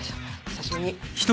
久しぶりに。